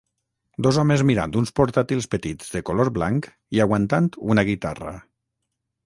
Dos homes mirant uns portàtils petits de color blanc i aguantant una guitarra.